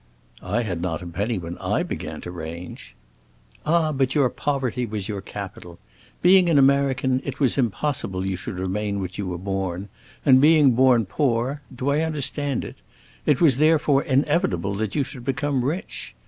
"I had not a penny when I began to range." "Ah, but your poverty was your capital. Being an American, it was impossible you should remain what you were born, and being born poor—do I understand it?—it was therefore inevitable that you should become rich.